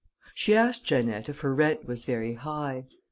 She asked Janette if her rent was very high.